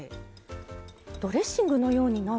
ドレッシングのようになる？